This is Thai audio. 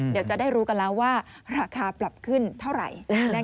เดี๋ยวจะได้รู้กันแล้วว่าราคาปรับขึ้นเท่าไหร่